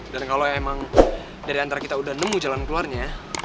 dan kalau emang dari antara kita udah nemu jalan keluarnya